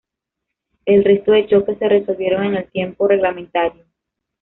El resto de choques se resolvieron en el tiempo reglamentario.